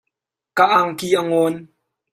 Ka angki a ngawn .